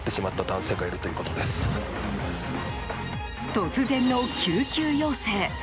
突然の救急要請。